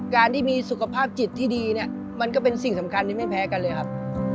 การที่มีสุขภาพจิตที่ดีเนี่ยมันก็เป็นสิ่งสำคัญที่ไม่แพ้กันเลยครับ